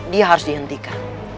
dia harus dihentikan